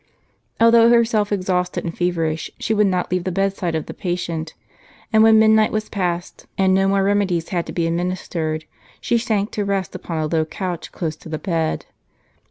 Although herself exhausted and feverish, she w^ould not leave the bedside of the patient; and when midnight was past, and no more remedies had to be administered, she sank to rest upon a low couch close to the bed.